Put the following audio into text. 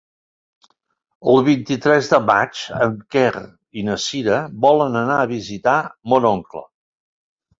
El vint-i-tres de maig en Quer i na Cira volen anar a visitar mon oncle.